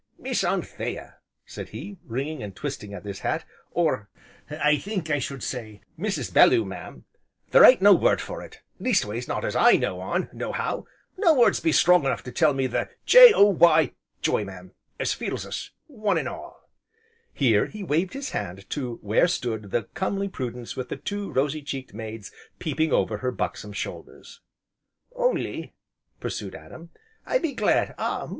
"Miss Anthea," said he, wringing and twisting at his hat, "or I think I should say, Mrs. Belloo mam, there ain't no word for it! least ways not as I know on, nohow. No words be strong enough to tell the J O Y j'y, mam, as fills us one an' all." Here, he waved his hand to where stood the comely Prudence with the two rosy cheeked maids peeping over her buxom shoulders. "Only," pursued Adam, "I be glad ah!